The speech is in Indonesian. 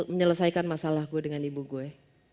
menyelesaikan masalah gue dengan ibu gue